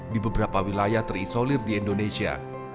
di beberapa wilayah terisolir di indonesia